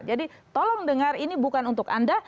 jadi tolong dengar ini bukan untuk anda